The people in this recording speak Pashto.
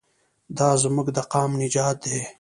دا زموږ د قام نجات دی.